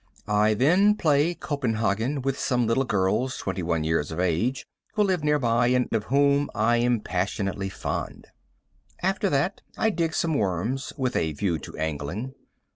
I then play Copenhagen with some little girls 21 years of age, who live near by, and of whom I am passionately fond. After that I dig some worms, with a view to angling.